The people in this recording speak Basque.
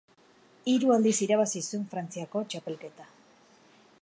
Hiru aldiz irabazi zuen Frantziako txapelketa.